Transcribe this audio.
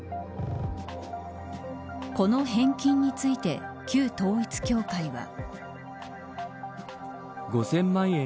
この返金について旧統一教会は。